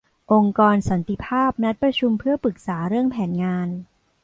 องค์กรสันติภาพนัดประชุมเพื่อปรึกษาเรื่องแผนงาน